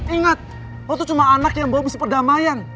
ingat lo tuh cuma anak yang bawa bisnis perdamaian